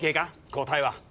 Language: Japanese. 答えは？